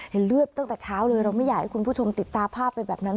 เลือดตั้งแต่เช้าเลยเราไม่อยากให้คุณผู้ชมติดตามภาพไปแบบนั้น